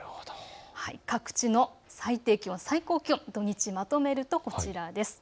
各地の最低気温、最高気温、土日、まとめるとこちらです。